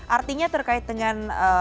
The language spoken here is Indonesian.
artinya terkait dengan